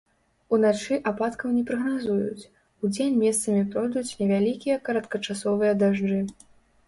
Уначы ападкаў не прагназуюць, удзень месцамі пройдуць невялікія кароткачасовыя дажджы.